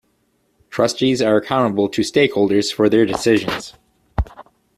Trustees are accountable to stakeholders for their decisions.